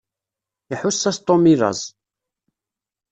Iḥuss-as Tom i laẓ.